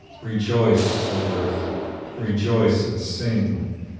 Rejoice, O Earth! Rejoice and sing!